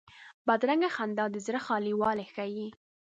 بدرنګه خندا د زړه خالي والی ښيي